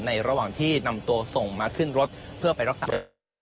ระหว่างที่นำตัวส่งมาขึ้นรถเพื่อไปรักษา